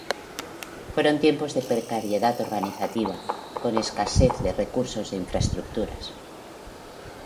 Fueron tiempos de precariedad organizativa, con escasez de recursos e infraestructuras.